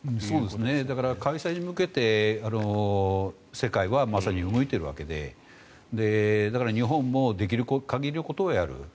だから開催に向けて世界はまさに動いているわけでだから、日本もできる限りのことをやる。